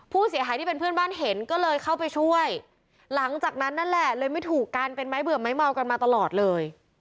ผู้เสียหายที่เป็นเพื่อนบ้านเห็นก็เลยเข้าไปช่วยหลังจากนั้นนั่นแหละเลยไม่ถูกกันเป็นไม้เบื่อไม้เมากันมาตลอดเลย